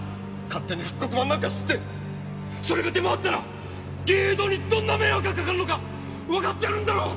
勝手に復刻版なんか摺ってそれが出回ったら藝榮堂にどんな迷惑がかかるのかわかってるんだろう！